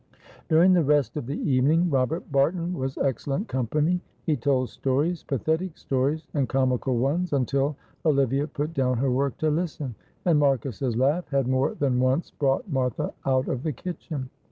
During the rest of the evening Robert Barton was excellent company. He told stories pathetic stories and comical ones, until Olivia put down her work to listen. And Marcus's laugh had more than once brought Martha out of the kitchen.